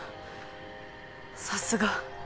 さすが。